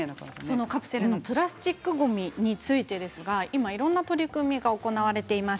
カプセルのプラスチックごみについてですが今いろんな取り組みが行われています。